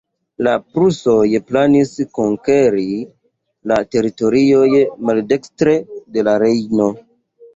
La prusoj planis konkeri la teritorioj maldekstre de la Rejno.